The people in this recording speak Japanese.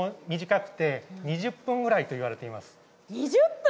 ２０分！？